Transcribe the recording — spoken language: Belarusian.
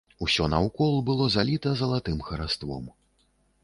Усё наўкол было заліта залатым хараством.